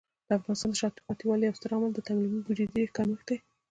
د افغانستان د شاته پاتې والي یو ستر عامل د تعلیمي بودیجه کمښت دی.